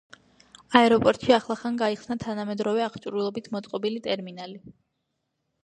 აეროპორტში ახლახან გაიხსნა თანამედროვე აღჭურვილობით მოწყობილი ტერმინალი.